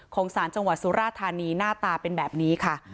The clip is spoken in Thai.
สารจังหวัดสุราธานีหน้าตาเป็นแบบนี้ค่ะ